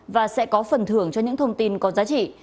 và sẽ có phần thưởng cho những thông tin có giá trị